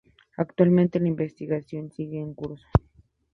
Actualmente la investigación sigue en curso.